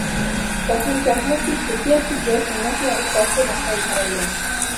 তখন চকমকি ঠুকিয়া ঠুকিয়া সন্ন্যাসী অনেক কষ্টে মশাল ধরাইলেন।